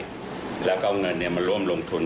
มาขายในประเทศไทยแล้วก็เอาเงินมาร่วมลงทุน